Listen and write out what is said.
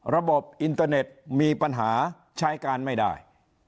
ระบบอินเตอร์เน็ตมีปัญหาใช้การไม่ได้